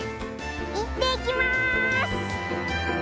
いってきます！